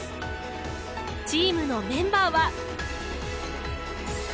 チームのメンバーは。